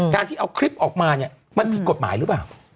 การที่เอาคลิปออกมามันมีกฎหมายหรือเปล่า